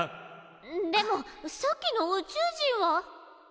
でもさっきの宇宙人は。